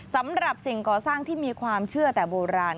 สำหรับสิ่งก่อสร้างที่มีความเชื่อแต่โบราณ